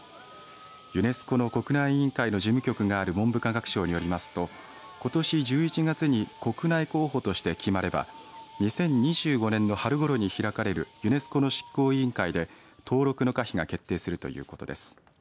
ユネスコの国内委員会の事務局がある文部科学省によりますとことし１１月に国内候補として決まれば２０２５年の春ごろに開かれるユネスコの執行委員会で登録の可否が決定するということです。